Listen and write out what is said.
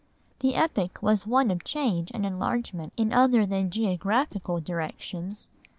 The epoch was one of change and enlargement in other than geographical directions.